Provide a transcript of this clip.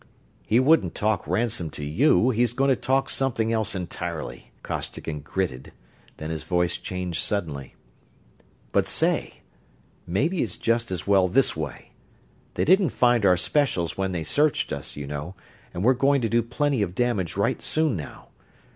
"He wouldn't talk ransom to you he's going to talk something else entirely," Costigan gritted; then his voice changed suddenly. "But say, maybe it's just as well this way. They didn't find our specials when they searched us, you know, and we're going to do plenty of damage right soon now.